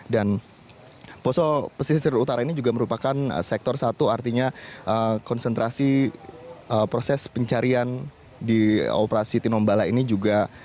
dan poso pesisir utara ini juga merupakan sektor satu artinya konsentrasi proses pencarian di operasi tinombala ini juga